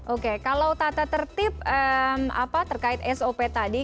oke kalau tata tertib terkait sop tadi